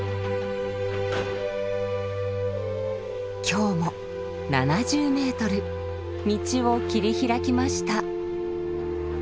今日も７０ｍ道を切り開きました。